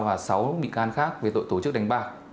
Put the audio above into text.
và sáu bị can khác về tội tổ chức đánh bạc